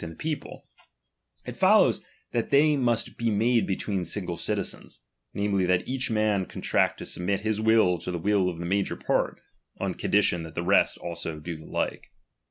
99 and the people ; it follows, that they must be made c between single citizens, namely, that each man contract to submit his will to the will of the major part, on condition that the rest also do the like.